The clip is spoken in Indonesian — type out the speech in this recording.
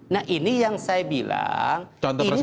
nah ini yang saya bilang ini terjadi di mana mana